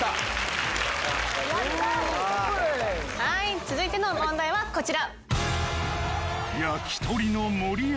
続いての問題はこちら。